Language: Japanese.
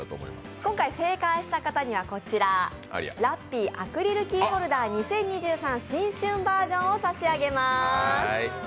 今回正解した方にはラッピーアクリルキーホルダー２０２３新春ｖｅｒ．を差し上げます。